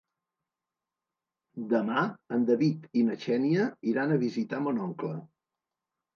Demà en David i na Xènia iran a visitar mon oncle.